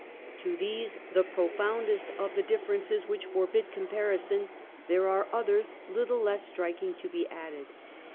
To these, the profoundest of the differences which forbid comparison, there are others little less striking to be added.